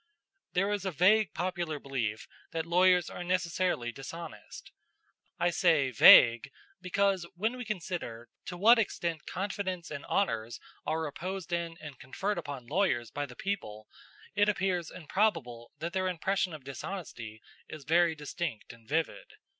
"There is a vague popular belief that lawyers are necessarily dishonest. I say vague because when we consider to what extent confidence and honors are reposed in and conferred upon lawyers by the people, it appears improbable that their impression of dishonesty is very distinct and vivid.